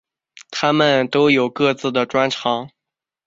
他们都有各自的专长。